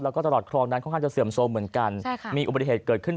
แล้วก็ตลอดครองนั้นค่อนข้างจะเสื่อมโซมเหมือนกัน